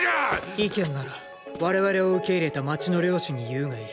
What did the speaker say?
意見なら我々を受け入れた街の領主に言うがいい。